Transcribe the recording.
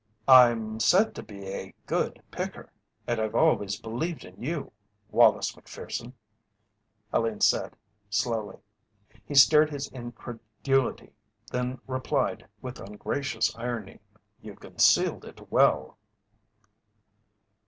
"I'm said to be a good 'picker,' and I've always believed in you, Wallace Macpherson," Helene said, slowly. He stared his incredulity, then replied with ungracious irony: "You've concealed it well."